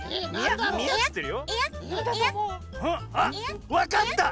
あっわかった！